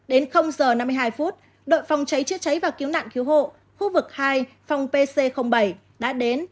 đến giờ năm mươi hai phút đội phòng cháy chữa cháy và cứu nạn cứu hộ khu vực hai phòng pc bảy đã đến